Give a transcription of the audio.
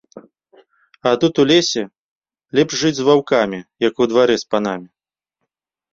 А тут у лесе лепш жыць з ваўкамі, як у дварэ з панамі.